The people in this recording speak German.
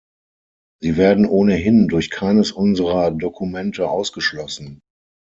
Sie werden ohnehin durch keines unserer Dokumente ausgeschlossen.